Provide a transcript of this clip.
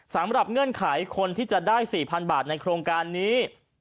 เงื่อนไขคนที่จะได้๔๐๐๐บาทในโครงการนี้